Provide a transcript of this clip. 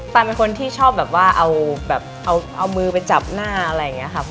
ตานเป็นคนที่ชอบแบบว่าเอามือไปจับหน้าอะไรอย่างเงี้ยครับ